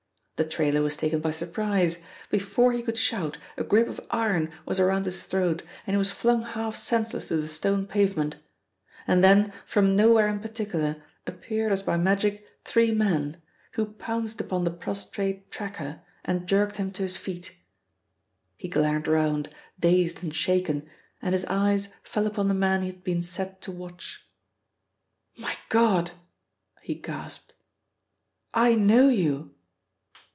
The trailer was taken by surprise; before he could shout, a grip of iron was around his throat and he was flung half senseless to the stone pavement. And then from nowhere in particular, appeared as by magic three men, who pounced upon the prostrate tracker and jerked him to his feet. He glared round, dazed and shaken, and his eyes fell upon the man he had been set to watch. "My God!" he gasped. "I know you!"